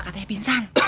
tak ada expresi pak romi